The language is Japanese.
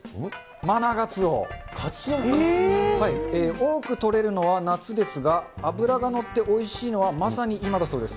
多く取れるのは夏ですが、脂が乗っておいしいのはまさに今だそうです。